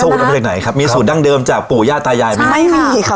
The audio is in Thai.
เอามาจากไหนครับมีสูตรดั้งเดิมจากปู่ย่าตายายไหมไม่มีค่ะ